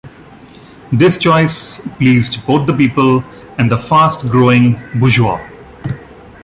This choice pleased both the people and the fast-growing bourgeoisie.